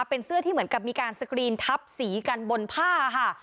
เป็นเสื้อที่เหมือนกับมีการสกรีนทับสีกันบนผ้าค่ะ